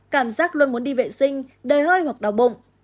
cảm giác luôn muốn đi vệ sinh đầy hơi hoặc đau bụng